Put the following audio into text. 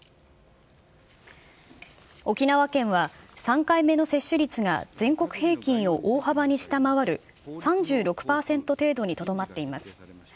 沖縄県は３回目の接種率が全国平均を大幅に下回る、３６％程度にとどまっています。